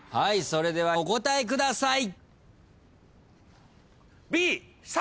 それではお答えください。